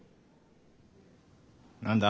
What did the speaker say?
何だ？